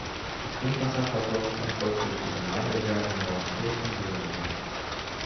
Die Trinkwasserversorgung erfolgt durch die Gemeindewerke Neuenkirchen GmbH.